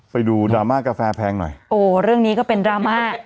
ไปดูดราม่ากาแฟแพงหน่อยโอ้เรื่องนี้ก็เป็นดราม่า